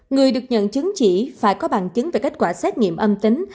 người được nhận chứng chỉ phải có bằng chứng về kết quả xét nghiệm âm tính